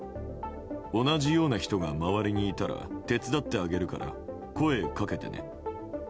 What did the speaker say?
同じような人が周りにいたら手伝ってあげるから声掛けてね。